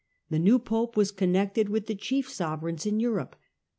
The new pope was con nected with the chief sovereigns in Europe.